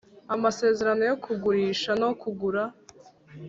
Amasezerano yo kugurisha no kugura